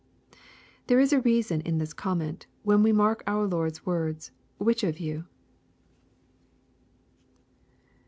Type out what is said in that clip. There is reason in this comment, when we mark our Lord's words, " which of you."